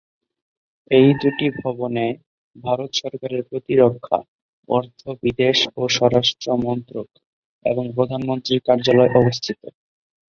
এই দুটি ভবনে ভারত সরকারের প্রতিরক্ষা, অর্থ, বিদেশ ও স্বরাষ্ট্র মন্ত্রক এবং প্রধানমন্ত্রীর কার্যালয় অবস্থিত।